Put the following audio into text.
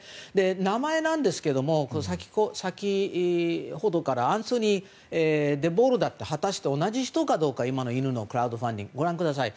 名前なんですけども先ほどからアンソニー・ディボルダーって果たして、同じ人かどうか今の犬のクラウドファンディングと。